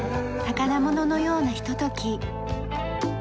宝物のようなひととき。